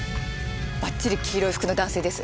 ばっちり黄色い服の男性です。